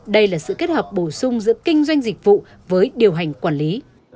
đây là sự kết hợp bổ sung giữa kinh doanh dịch vụ với điều hành quản lý